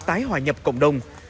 tái hòa nhập cộng đồng